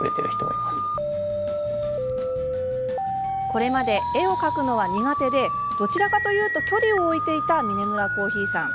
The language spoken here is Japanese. これまで、絵を描くのは苦手でどちらかというと距離を置いていたミネムラコーヒーさん。